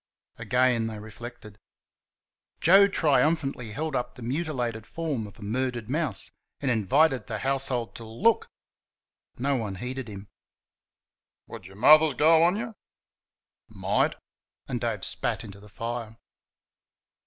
Again they reflected. Joe triumphantly held up the mutilated form of a murdered mouse and invited the household to "Look!" No one heeded him. "Would your Mother's go on you?" "Might," and Dave spat into the fire.